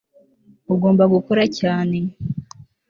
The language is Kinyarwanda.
ugomba gukora cyane